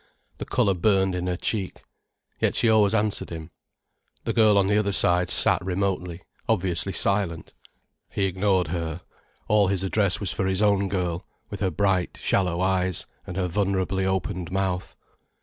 The colour burned in her cheek. Yet she always answered him. The girl on the other side sat remotely, obviously silent. He ignored her. All his address was for his own girl, with her bright, shallow eyes and her vulnerably opened mouth.